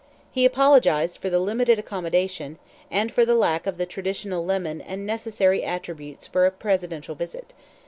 He apologized for the limited accommodation, and for the lack of the traditional lemon and necessary attributes for a presidential visit.